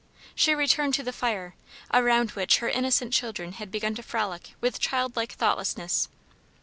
She returned to the fire, around which her innocent children had begun to frolic with childlike thoughtlessness.